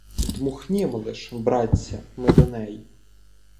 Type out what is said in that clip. Дмухнім лиш, братця, ми до неї